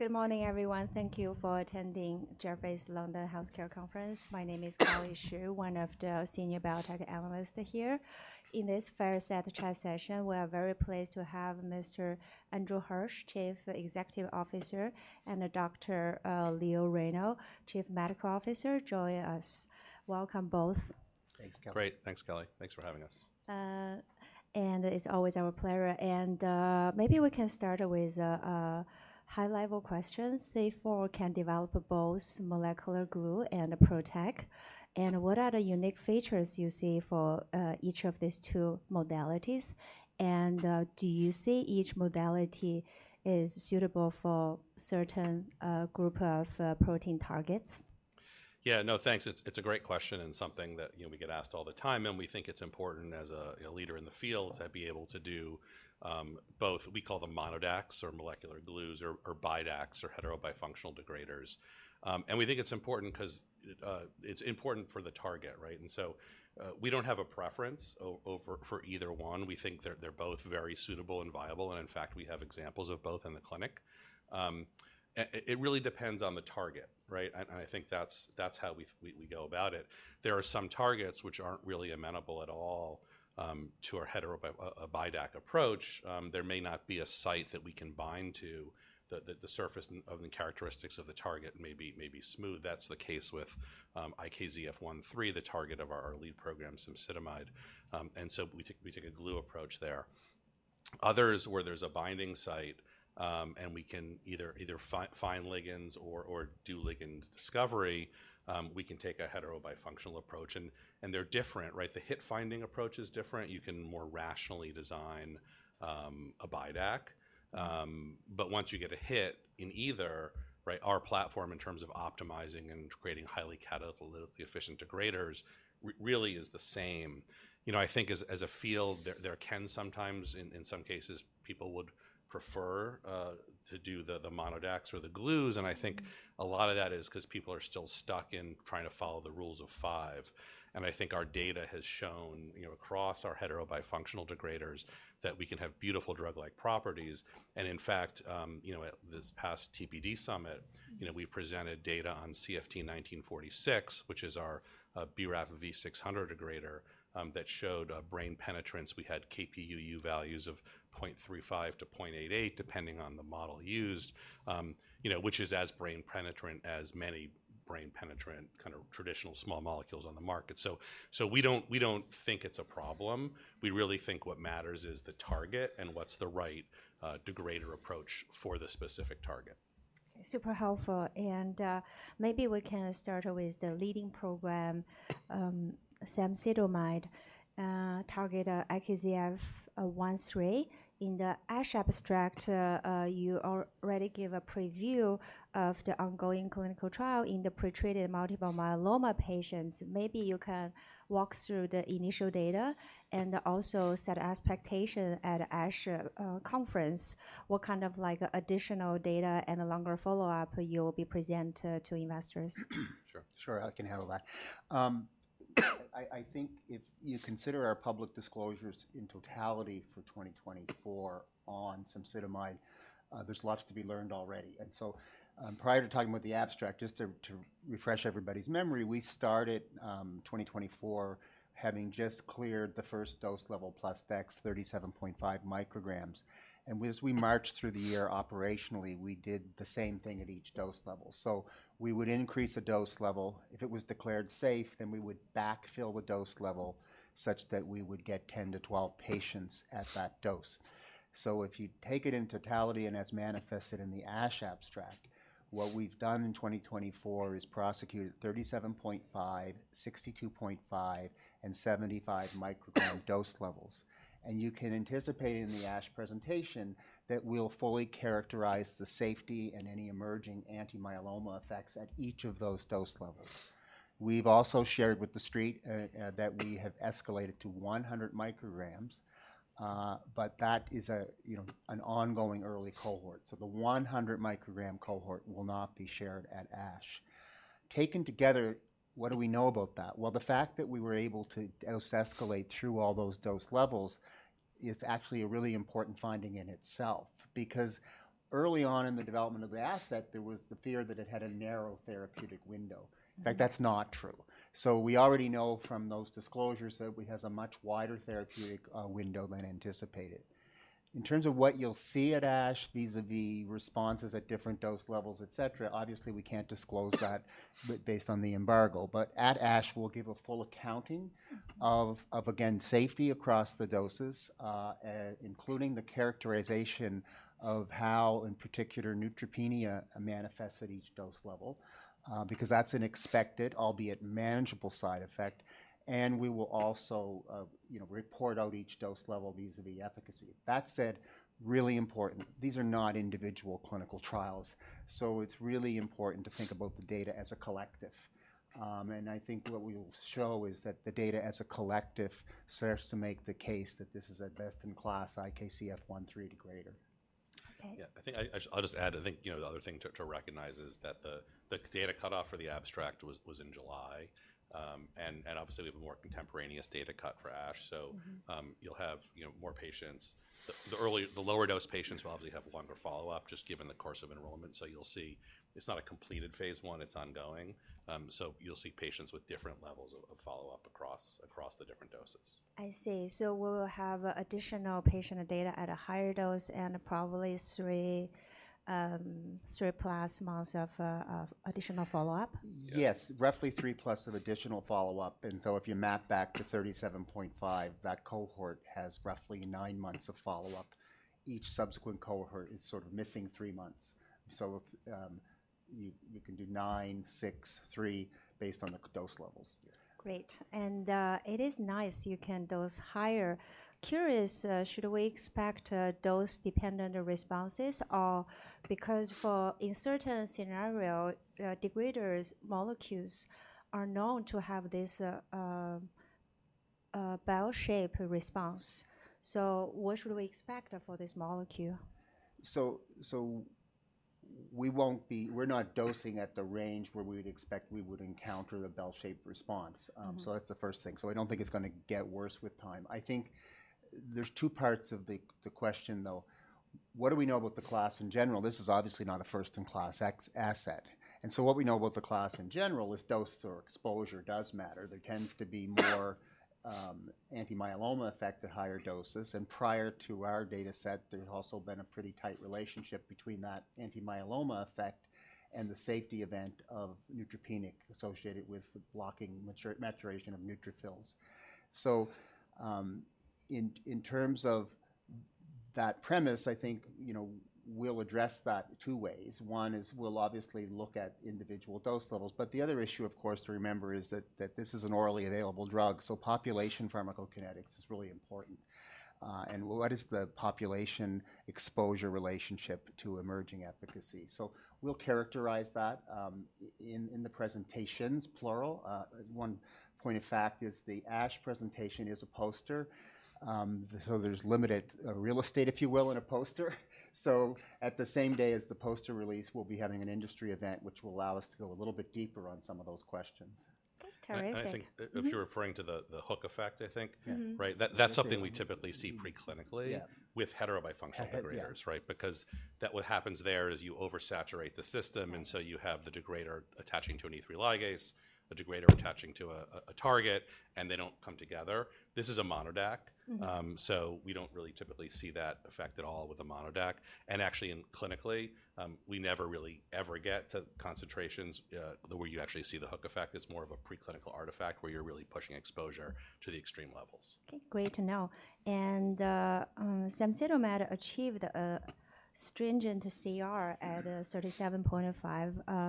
Good morning, everyone. Thank you for attending Jefferies London Healthcare Conference. My name is Kelly Shi, one of the senior biotech analysts here. In this first chat session, we are very pleased to have Mr. Andrew Hirsch, Chief Executive Officer, and Dr. Leo Reyno, Chief Medical Officer, join us. Welcome both. Thanks, Kelly. Great. Thanks, Kelly. Thanks for having us. It's always our pleasure. Maybe we can start with high-level questions. C4 can develop both molecular glue and PROTAC. What are the unique features you see for each of these two modalities? Do you see each modality is suitable for a certain group of protein targets? Yeah, no, thanks. It's a great question and something that we get asked all the time. And we think it's important as a leader in the field to be able to do both what we call the MonoDACs, or molecular glues, or BiDACs, or heterobifunctional degraders. And we think it's important because it's important for the target, right? And so we don't have a preference for either one. We think they're both very suitable and viable. And in fact, we have examples of both in the clinic. It really depends on the target, right? And I think that's how we go about it. There are some targets which aren't really amenable at all to a BiDAC approach. There may not be a site that we can bind to. The surface of the characteristics of the target may be smooth. That's the case with IKZF1/3, the target of our lead program, cemsidomide. And so we take a glue approach there. Others, where there's a binding site and we can either find ligands or do ligand discovery, we can take a heterobifunctional approach. And they're different, right? The hit-finding approach is different. You can more rationally design a BiDAC. But once you get a hit in either, our platform in terms of optimizing and creating highly catalytically efficient degraders really is the same. I think as a field, there can sometimes, in some cases, people would prefer to do the MonoDACs or the glues. And I think a lot of that is because people are still stuck in trying to follow the Rule of 5. And I think our data has shown across our heterobifunctional degraders that we can have beautiful drug-like properties. In fact, at this past TPD Summit, we presented data on CFT1946, which is our BRAF V600 degrader, that showed brain penetrance. We had Kp,uu values of 0.35-0.88, depending on the model used, which is as brain penetrant as many brain penetrant kind of traditional small molecules on the market. We don't think it's a problem. We really think what matters is the target and what's the right degrader approach for the specific target. Super helpful. And maybe we can start with the leading program, cemsidomide, target IKZF1/3. In the ASH abstract, you already give a preview of the ongoing clinical trial in the pretreated multiple myeloma patients. Maybe you can walk through the initial data and also set expectations at the ASH conference. What kind of additional data and a longer follow-up you'll be presenting to investors? Sure. Sure, I can handle that. I think if you consider our public disclosures in totality for 2024 on cemsidomide, there's lots to be learned already. And so, prior to talking about the abstract, just to refresh everybody's memory, we started 2024 having just cleared the first dose level plus dex 37.5 micrograms. And as we marched through the year operationally, we did the same thing at each dose level. So we would increase a dose level. If it was declared safe, then we would backfill the dose level such that we would get 10 to 12 patients at that dose. So if you take it in totality and as manifested in the ASH abstract, what we've done in 2024 is prosecute at 37.5, 62.5, and 75 microgram-dose levels. You can anticipate in the ASH presentation that we'll fully characterize the safety and any emerging anti-myeloma effects at each of those dose levels. We've also shared with the street that we have escalated to 100 micrograms, but that is an ongoing early cohort. The 100-microgram cohort will not be shared at ASH. Taken together, what do we know about that? The fact that we were able to escalate through all those dose levels is actually a really important finding in itself because early on in the development of the asset, there was the fear that it had a narrow therapeutic window. In fact, that's not true. We already know from those disclosures that we have a much wider therapeutic window than anticipated. In terms of what you'll see at ASH vis-à-vis responses at different dose levels, et cetera, obviously we can't disclose that based on the embargo, but at ASH, we'll give a full accounting of, again, safety across the doses, including the characterization of how, in particular, neutropenia manifests at each dose level because that's an expected, albeit manageable, side effect, and we will also report out each dose level vis-à-vis efficacy. That said, really important, these are not individual clinical trials, so it's really important to think about the data as a collective, and I think what we will show is that the data as a collective serves to make the case that this is a best-in-class IKZF1/3 degrader. Okay. Yeah, I think I'll just add, I think the other thing to recognize is that the data cutoff for the abstract was in July, and obviously, we have a more contemporaneous data cut for ASH, so you'll have more patients. The lower dose patients will obviously have longer follow-up, just given the course of enrollment, so you'll see it's not a completed phase I, it's ongoing, so you'll see patients with different levels of follow-up across the different doses. I see. So we will have additional patient data at a higher dose and probably three plus months of additional follow-up? Yes, roughly three plus of additional follow-up. And so if you map back to 37.5 micrograms, that cohort has roughly nine months of follow-up. Each subsequent cohort is sort of missing three months. So you can do nine, six, three based on the dose levels. Great. And it is nice you can dose higher. Curious, should we expect dose-dependent responses? Because in certain scenarios, degrader molecules are known to have this bell-shaped response. So what should we expect for this molecule? We're not dosing at the range where we would expect we would encounter the bell-shaped response. That's the first thing. I don't think it's going to get worse with time. I think there's two parts of the question, though. What do we know about the class in general? This is obviously not a first-in-class asset. And so what we know about the class in general is dose or exposure does matter. There tends to be more anti-myeloma effect at higher doses. And prior to our data set, there's also been a pretty tight relationship between that anti-myeloma effect and the safety event of neutropenia associated with blocking maturation of neutrophils. So in terms of that premise, I think we'll address that two ways. One is we'll obviously look at individual dose levels. But the other issue, of course, to remember is that this is an orally available drug. So population pharmacokinetics is really important. And what is the population exposure relationship to emerging efficacy? So we'll characterize that in the presentations, plural. One point of fact is the ASH presentation is a poster. So there's limited real estate, if you will, in a poster. So at the same day as the poster release, we'll be having an industry event, which will allow us to go a little bit deeper on some of those questions. Terrific. I think if you're referring to the hook effect, I think, right? That's something we typically see preclinically with heterobifunctional degraders, right? Because what happens there is you oversaturate the system. And so you have the degrader attaching to an E3 ligase, the degrader attaching to a target, and they don't come together. This is a MonoDAC. So we don't really typically see that effect at all with a MonoDAC. And actually, clinically, we never really ever get to concentrations where you actually see the hook effect. It's more of a preclinical artifact where you're really pushing exposure to the extreme levels. Okay, great to know. And cemsidomide achieved stringent CR at 37.5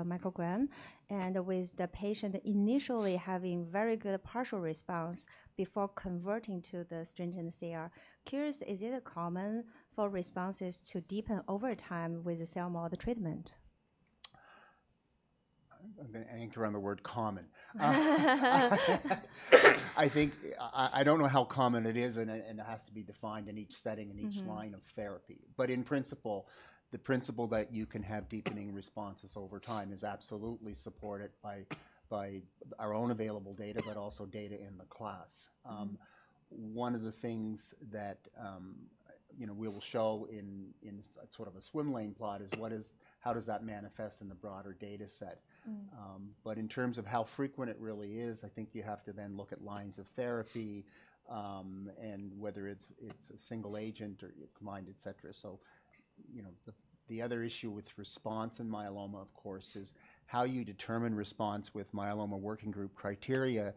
micrograms. And with the patient initially having very good partial response before converting to the stringent CR, curious, is it common for responses to deepen over time with the CELMoD treatment? I'm going to anchor on the word common. I think I don't know how common it is, and it has to be defined in each setting and each line of therapy. But in principle, the principle that you can have deepening responses over time is absolutely supported by our own available data, but also data in the class. One of the things that we will show in sort of a swimlane plot is how does that manifest in the broader data set. But in terms of how frequent it really is, I think you have to then look at lines of therapy and whether it's a single agent or combined, et cetera. So the other issue with response in myeloma, of course, is how you determine response with myeloma working group criteria.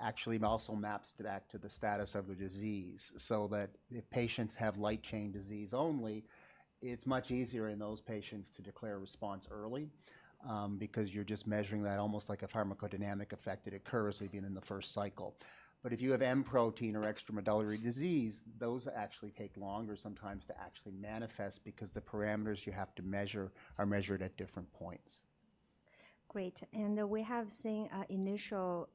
Actually also maps back to the status of the disease. So that if patients have light chain disease only, it's much easier in those patients to declare response early because you're just measuring that almost like a pharmacodynamic effect that occurs even in the first cycle. But if you have M protein or extramedullary disease, those actually take longer sometimes to actually manifest because the parameters you have to measure are measured at different points. Great, and we have seen initial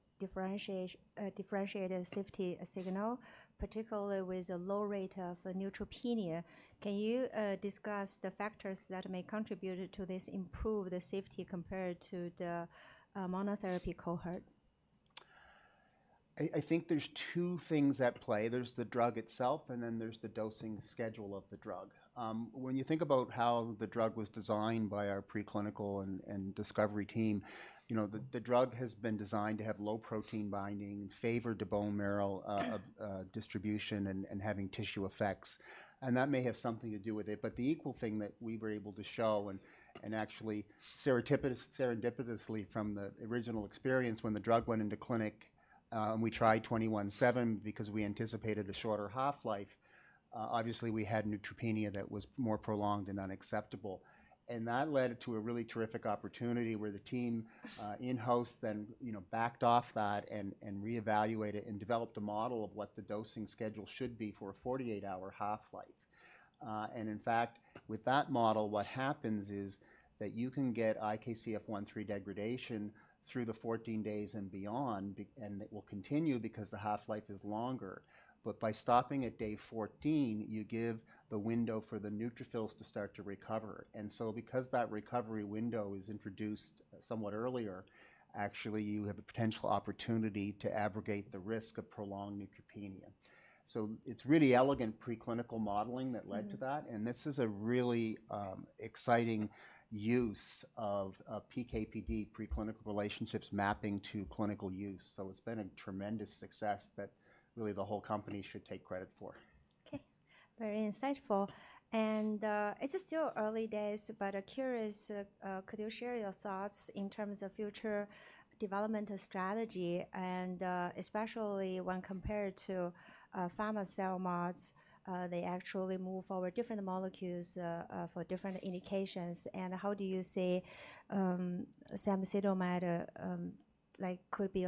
differentiated safety signal, particularly with a low rate of neutropenia. Can you discuss the factors that may contribute to this improved safety compared to the monotherapy cohort? I think there's two things at play. There's the drug itself, and then there's the dosing schedule of the drug. When you think about how the drug was designed by our preclinical and discovery team, the drug has been designed to have low protein binding, favorable to bone marrow distribution, and having tissue effects. That may have something to do with it. But the equal thing that we were able to show, and actually serendipitously from the original experience when the drug went into clinic, and we tried 21/7 because we anticipated a shorter half-life, obviously, we had neutropenia that was more prolonged and unacceptable. That led to a really terrific opportunity where the team in-house then backed off that and reevaluated and developed a model of what the dosing schedule should be for a 48-hour half-life. And in fact, with that model, what happens is that you can get IKZF1/3 degradation through the 14 days and beyond, and it will continue because the half-life is longer. But by stopping at day 14, you give the window for the neutrophils to start to recover. And so because that recovery window is introduced somewhat earlier, actually, you have a potential opportunity to aggregate the risk of prolonged neutropenia. So it's really elegant preclinical modeling that led to that. And this is a really exciting use of PK/PD preclinical relationships mapping to clinical use. So it's been a tremendous success that really the whole company should take credit for. Okay, very insightful. And it's still early days, but I'm curious, could you share your thoughts in terms of future development strategy? And especially when compared to pharma CELMoDs, they actually move forward different molecules for different indications. And how do you see cemsidomide could be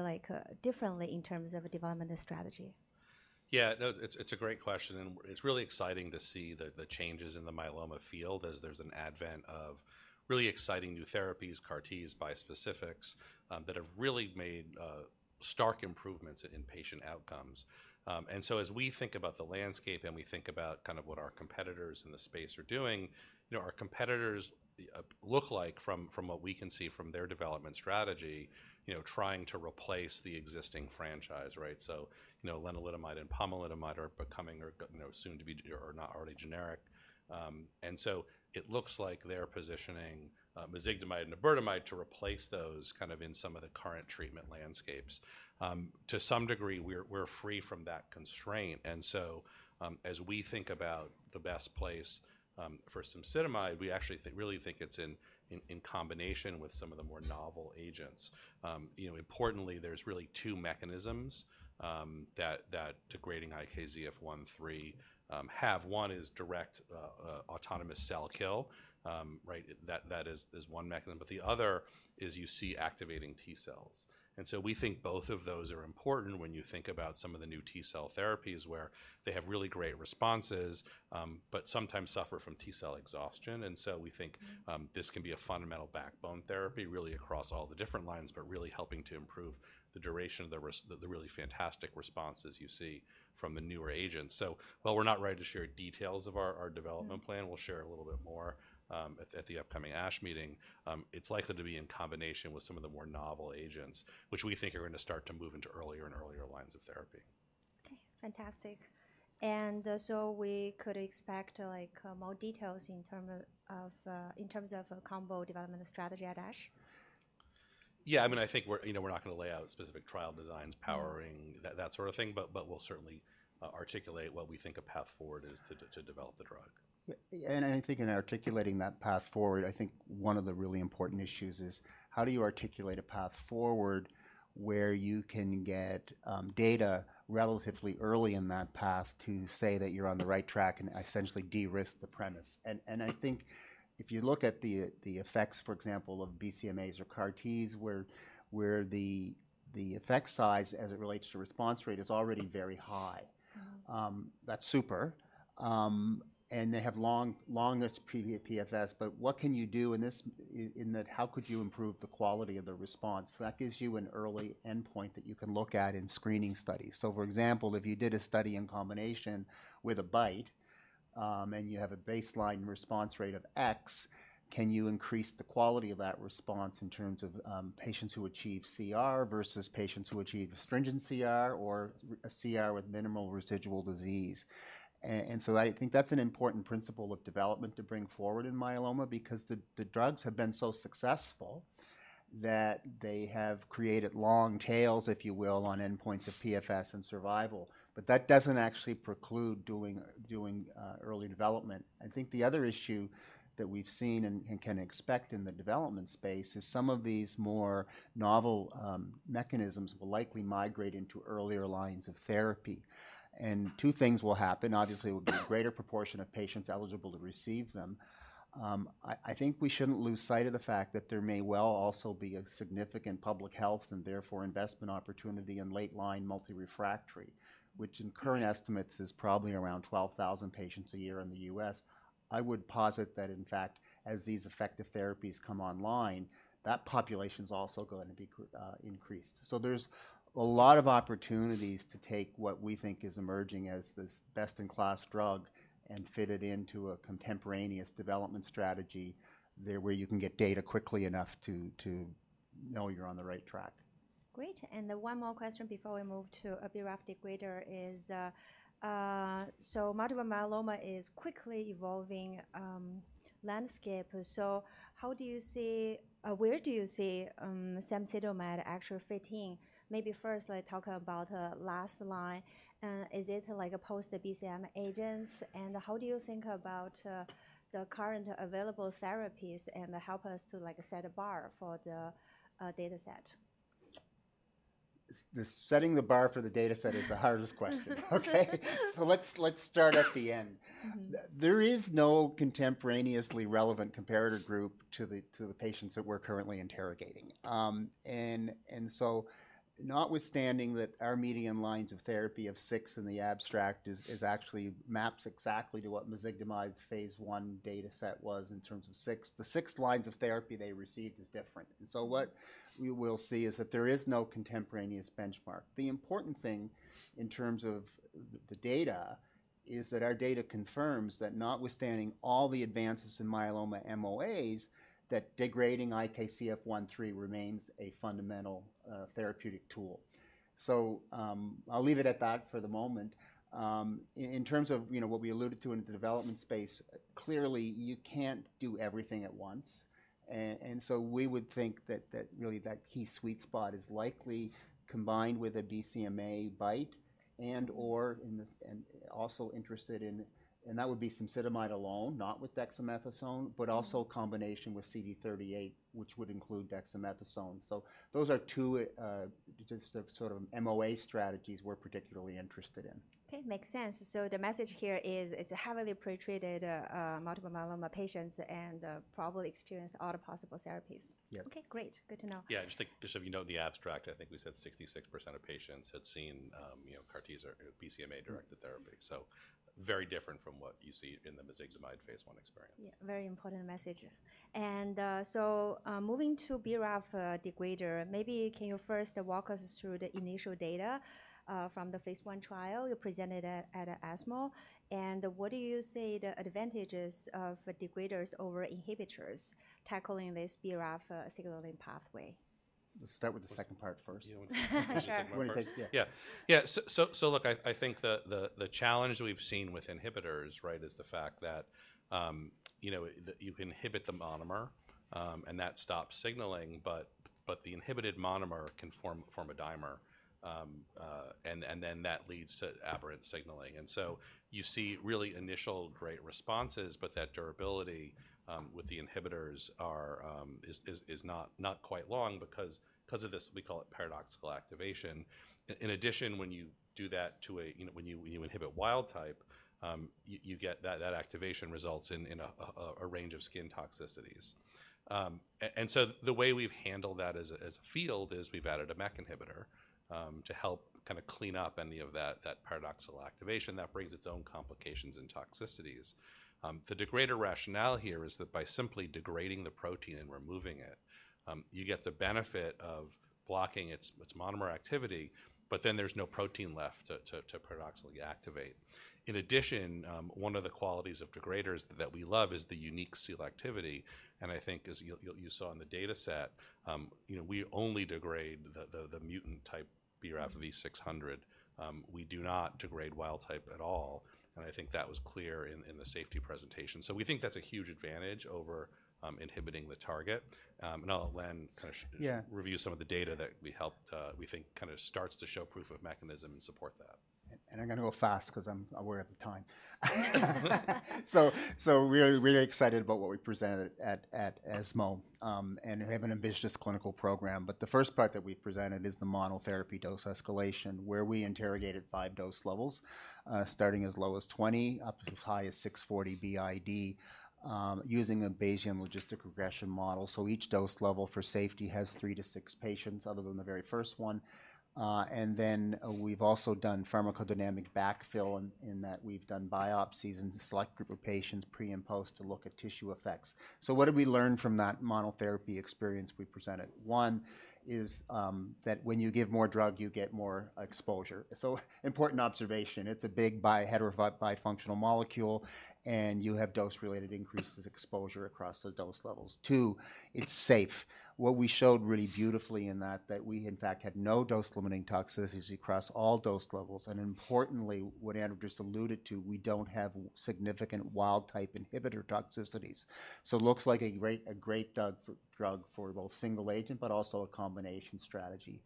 differently in terms of development strategy? Yeah, it's a great question. And it's really exciting to see the changes in the myeloma field as there's an advent of really exciting new therapies, CAR-Ts, bispecifics that have really made stark improvements in patient outcomes. And so as we think about the landscape and we think about kind of what our competitors in the space are doing, our competitors look like from what we can see from their development strategy trying to replace the existing franchise, right? So lenalidomide and pomalidomide are becoming soon to be not already generic. And so it looks like they're positioning mezigdomide and iberdomide to replace those kind of in some of the current treatment landscapes. To some degree, we're free from that constraint. And so as we think about the best place for cemsidomide, we actually really think it's in combination with some of the more novel agents. Importantly, there's really two mechanisms that degrading IKZF1/3 have. One is direct autonomous cell kill, right? That is one mechanism. But the other is you see activating T cells. And so we think both of those are important when you think about some of the new T cell therapies where they have really great responses, but sometimes suffer from T-cell exhaustion. And so we think this can be a fundamental backbone therapy really across all the different lines, but really helping to improve the duration of the really fantastic responses you see from the newer agents. So while we're not ready to share details of our development plan, we'll share a little bit more at the upcoming ASH meeting. It's likely to be in combination with some of the more novel agents, which we think are going to start to move into earlier and earlier lines of therapy. Okay, fantastic. And so we could expect more details in terms of a combo development strategy at ASH? Yeah, I mean, I think we're not going to lay out specific trial designs, powering, that sort of thing. But we'll certainly articulate what we think a path forward is to develop the drug. I think in articulating that path forward, I think one of the really important issues is how do you articulate a path forward where you can get data relatively early in that path to say that you're on the right track and essentially de-risk the premise? I think if you look at the effects, for example, of BCMAs or CAR-Ts, where the effect size as it relates to response rate is already very high, that's super. They have longest PFS. What can you do in this? How could you improve the quality of the response? That gives you an early endpoint that you can look at in screening studies. So for example, if you did a study in combination with a BiTE and you have a baseline response rate of X, can you increase the quality of that response in terms of patients who achieve CR versus patients who achieve a stringent CR or a CR with minimal residual disease? And so I think that's an important principle of development to bring forward in myeloma because the drugs have been so successful that they have created long tails, if you will, on endpoints of PFS and survival. But that doesn't actually preclude doing early development. I think the other issue that we've seen and can expect in the development space is some of these more novel mechanisms will likely migrate into earlier lines of therapy. And two things will happen. Obviously, it will be a greater proportion of patients eligible to receive them. I think we shouldn't lose sight of the fact that there may well also be a significant public health and therefore investment opportunity in late-line multirefractory, which, in current estimates, is probably around 12,000 patients a year in the U.S. I would posit that, in fact, as these effective therapies come online, that population is also going to be increased. So there's a lot of opportunities to take what we think is emerging as this best-in-class drug and fit it into a contemporaneous development strategy where you can get data quickly enough to know you're on the right track. Great. And one more question before we move to a BRAF degrader. So multiple myeloma is a quickly evolving landscape. So where do you see cemsidomide actually fitting? Maybe first, let's talk about the last line. Is it like a post-BCMA agents? And how do you think about the current available therapies and help us to set a bar for the data set? Setting the bar for the data set is the hardest question, okay? So let's start at the end. There is no contemporaneously relevant comparator group to the patients that we're currently interrogating. And so notwithstanding that our median lines of therapy of six in the abstract actually maps exactly to what mezigdomide's phase I data set was in terms of six, the six lines of therapy they received is different. And so what we will see is that there is no contemporaneous benchmark. The important thing in terms of the data is that our data confirms that, notwithstanding all the advances in myeloma MOAs, that degrading IKZF1/3 remains a fundamental therapeutic tool. So I'll leave it at that for the moment. In terms of what we alluded to in the development space, clearly you can't do everything at once. We would think that really that key sweet spot is likely combined with a BCMA BiTE and/or also interested in, and that would be cemsidomide alone, not with dexamethasone, but also combination with CD38, which would include dexamethasone. Those are two just sort of MOA strategies we're particularly interested in. Okay, makes sense. So the message here is it's a heavily pretreated multiple myeloma patients and probably experienced all the possible therapies. Yes. Okay, great. Good to know. Yeah, just so you know the abstract, I think we said 66% of patients had seen CAR-Ts or BCMA-directed therapy. So very different from what you see in the mezigdomide phase I experience. Yeah, very important message. And so moving to BRAF degrader, maybe can you first walk us through the initial data from the phase I trial you presented at ESMO? And what do you say are the advantages of degraders over inhibitors tackling this BRAF inhibiting pathway? Let's start with the second part first. Yeah, yeah. So look, I think the challenge we've seen with inhibitors, right, is the fact that you can inhibit the monomer and that stops signaling, but the inhibited monomer can form a dimer, and then that leads to aberrant signaling. And so you see really initial great responses, but that durability with the inhibitors is not quite long because of this, we call it paradoxical activation. In addition, when you inhibit wild-type, you get that activation results in a range of skin toxicities. And so the way we've handled that as a field is we've added a MEK inhibitor to help kind of clean up any of that paradoxical activation that brings its own complications and toxicities. The degrader rationale here is that by simply degrading the protein and removing it, you get the benefit of blocking its monomer activity, but then there's no protein left to paradoxically activate. In addition, one of the qualities of degraders that we love is the unique selectivity, and I think, as you saw in the data set, we only degrade the mutant-type BRAF V600. We do not degrade wild type at all, and I think that was clear in the safety presentation, so we think that's a huge advantage over inhibiting the target, and I'll kind of review some of the data that we helped, we think kind of starts to show proof of mechanism and support that. I'm going to go fast because I'm aware of the time. We're really excited about what we presented at ESMO and have an ambitious clinical program. The first part that we presented is the monotherapy dose escalation, where we interrogated five dose levels starting as low as 20 up to as high as 640 BID using a Bayesian logistic regression model. Each dose level for safety has three to six patients other than the very first one. We've also done pharmacodynamic backfill in that we've done biopsies and select group of patients pre and post to look at tissue effects. What did we learn from that monotherapy experience we presented? One is that when you give more drug, you get more exposure. Important observation, it's a bifunctional molecule and you have dose-related increases exposure across the dose levels. Two, it's safe. What we showed really beautifully in that we in fact had no dose-limiting toxicities across all dose levels. And importantly, what Andrew just alluded to, we don't have significant wild type inhibitor toxicities. So it looks like a great drug for both single agent, but also a combination strategy.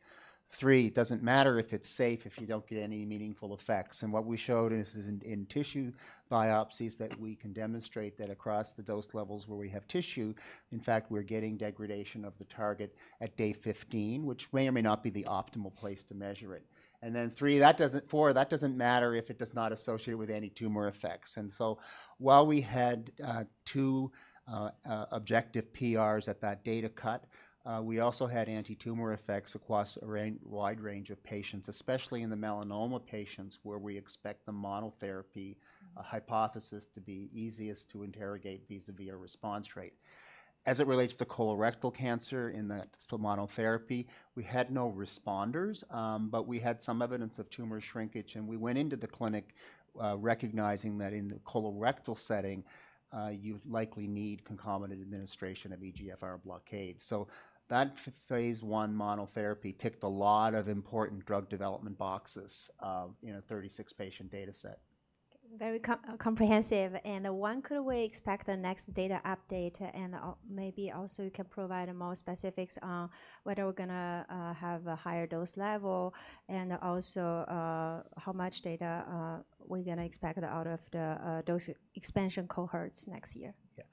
Three, it doesn't matter if it's safe if you don't get any meaningful effects. And what we showed in tissue biopsies that we can demonstrate that across the dose levels where we have tissue, in fact, we're getting degradation of the target at day 15, which may or may not be the optimal place to measure it. And then three, four, that doesn't matter if it does not associate with any tumor effects. While we had two objective PRs at that data cut, we also had anti-tumor effects across a wide range of patients, especially in the melanoma patients where we expect the monotherapy hypothesis to be easiest to interrogate vis-à-vis a response rate. As it relates to colorectal cancer in the monotherapy, we had no responders, but we had some evidence of tumor shrinkage. We went into the clinic recognizing that in the colorectal setting, you likely need concomitant administration of EGFR blockade. That phase one monotherapy ticked a lot of important drug development boxes in a 36-patient data set. Very comprehensive. And when could we expect the next data update? And maybe also you can provide more specifics on whether we're going to have a higher dose level and also how much data we're going to expect out of the dose expansion cohorts next year. Yeah.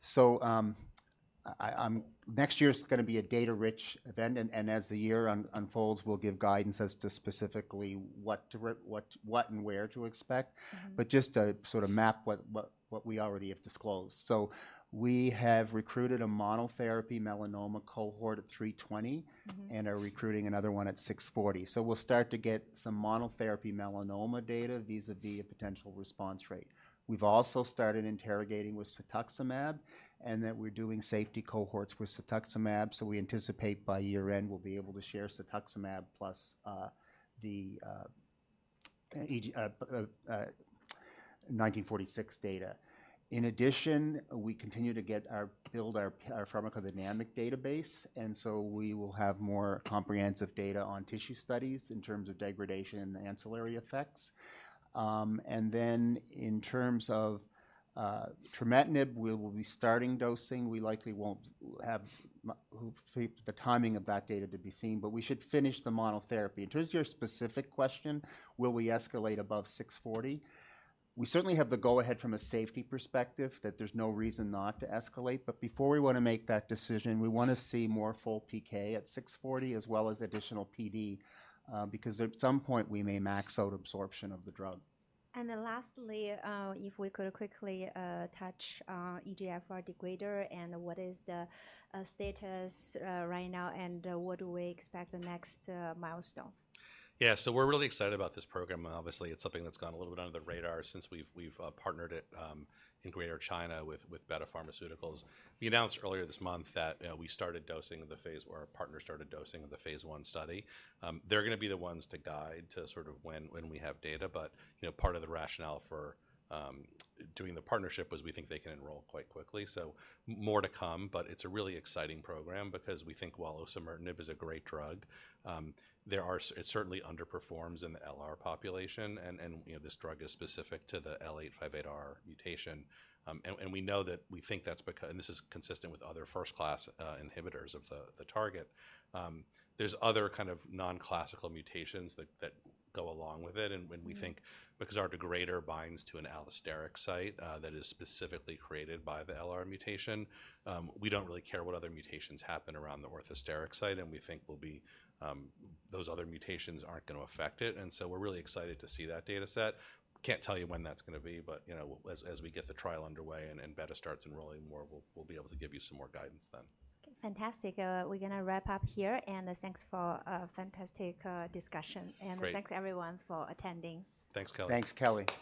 So next year is going to be a data-rich event. And as the year unfolds, we'll give guidance as to specifically what and where to expect, but just to sort of map what we already have disclosed. We have recruited a monotherapy melanoma cohort at 320 and are recruiting another one at 640. We'll start to get some monotherapy melanoma data vis-à-vis a potential response rate. We've also started interrogating with cetuximab and that we're doing safety cohorts with cetuximab. We anticipate by year end, we'll be able to share cetuximab plus the 1946 data. In addition, we continue to build our pharmacodynamic database. We will have more comprehensive data on tissue studies in terms of degradation and ancillary effects. In terms of trametinib, we will be starting dosing. We likely won't have the timing of that data to be seen, but we should finish the monotherapy. In terms of your specific question, will we escalate above 640? We certainly have the go-ahead from a safety perspective that there's no reason not to escalate. But before we want to make that decision, we want to see more full PK at 640 as well as additional PD because at some point we may max out absorption of the drug. Lastly, if we could quickly touch EGFR degrader and what is the status right now, and what do we expect the next milestone? Yeah, so we're really excited about this program. Obviously, it's something that's gone a little bit under the radar since we've partnered it in Greater China with Betta Pharmaceuticals. We announced earlier this month that we started dosing the phase one, or our partner started dosing of the phase I study. They're going to be the ones to guide to sort of when we have data. But part of the rationale for doing the partnership was we think they can enroll quite quickly. So more to come, but it's a really exciting program because we think while osimertinib is a great drug, it certainly underperforms in the LR population. And this drug is specific to the L858R mutation. And we know that we think that's because this is consistent with other first-in-class inhibitors of the target. There's other kind of non-classical mutations that go along with it. We think because our degrader binds to an allosteric site that is specifically created by the LR mutation, we don't really care what other mutations happen around the orthosteric site. We think those other mutations aren't going to affect it. So we're really excited to see that data set. Can't tell you when that's going to be, but as we get the trial underway and Betta starts enrolling more, we'll be able to give you some more guidance then. Fantastic. We're going to wrap up here, and thanks for a fantastic discussion, and thanks everyone for attending. Thanks, Kelly. Thanks, Kelly.